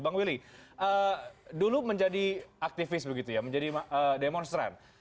bang willy dulu menjadi aktivis begitu ya menjadi demonstran